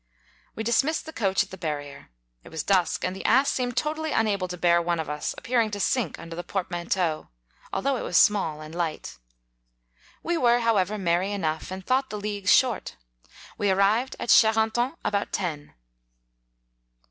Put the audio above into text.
We dismissed the coach at the bar 15 rier. It was dusk, and the ass seemed totally unable to bear one of us, ap pearing to sink under the portmanteau, although it was small and light. We were, however, merry enough, and thought the leagues short. We arrived at Charenton about ten.